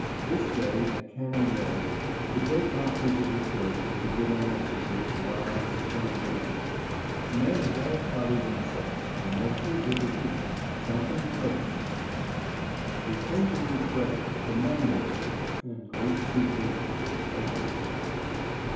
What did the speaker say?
This day, at Cannon Mills, the great doctors of the church were to give an answer to this loud and stern demand. Men of all par ties and sects were most eager to hear. Something great was expected. The occasion was great, the men were great, and great speeches were expected from them.